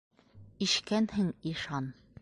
Ишкәнһең ишан...